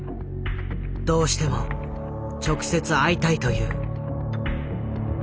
どうしても直接会いたいという。